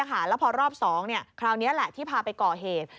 แล้วพอรอบ๒คราวนี้แหละที่พาไปก่อเหตุ